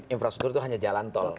infrastruktur itu hanya jalan tol